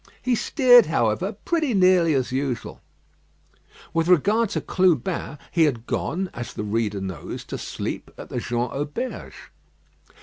He steered, however, pretty nearly as usual. With regard to Clubin, he had gone, as the reader knows, to sleep at the Jean Auberge.